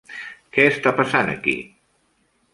Què està passant aquí?